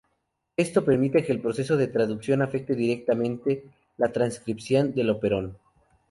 Esto permite que el proceso de traducción afecte directamente la transcripción del operón.